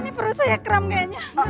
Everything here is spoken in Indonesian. ini perut saya kram kayaknya